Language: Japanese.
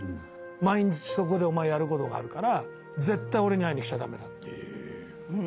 毎日そこでお前やることがあるから、絶対俺に会いに来ちゃだめだって。